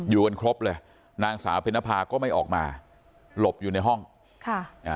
อยู่กันครบเลยนางสาวเพลนภาษณ์ก็ไม่ออกมาหลบอยู่ในห้องค่ะ